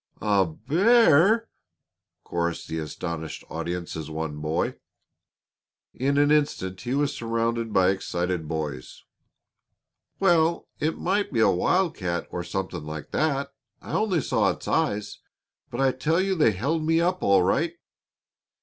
"A bear?" chorused the astonished audience as one boy. [Illustration: In an instant he was surrounded by excited boys] "Well, it might be a wildcat or something like that. I only saw its eyes, but I tell you they held me up, all right.